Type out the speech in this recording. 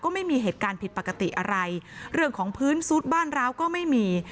ไม่มีเหตุการณ์ผิดปกติอะไรเรื่องของพื้นซุดบ้านร้าวก็ไม่มี